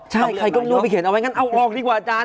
ใช่ใครก็ไม่รู้ไปเขียนเอาไว้งั้นเอาออกดีกว่าอาจารย์